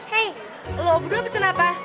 hei lo obro pesen apa